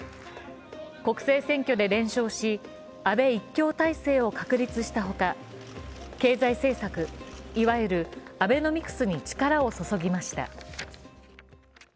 国政選挙で連勝し、安倍１強体制を確立したほか、経済政策、いわゆるアベノミクスに力を注ぎました。